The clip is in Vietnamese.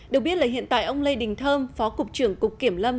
được biết là hiện tại ông lê đình thơm phó cục trưởng cục kiểm lâm